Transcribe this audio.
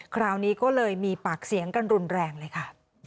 คราวนี้ก็เลยมีปากเสียงกันรุนแรงเลยค่ะ